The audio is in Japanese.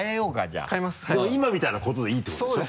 でも今みたいなことでいいってことでしょ？